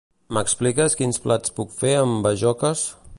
M'expliques quins plats puc fer amb bajoques?